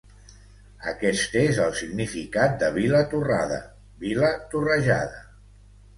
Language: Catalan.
Aquest és el significat de Vilatorrada: vila torrejada.